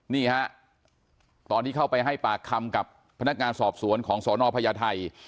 นี่ฮะตอนที่เข้าไปให้ปากคำกับพนักงานสอบสวนของสนพญาไทย